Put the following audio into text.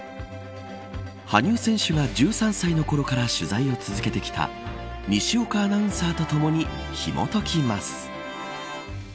羽生選手が１３歳のころから取材を続けてきた西岡アナウンサーとともにひもときます。